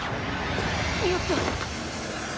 よっと。